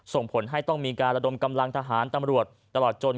ส่งผลให้ต้องมีการระดมกำลังทหารตำรวจตลอดจน